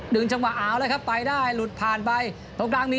ดึงจังหวะเอาเลยนะครับไปได้รุดผ่านไป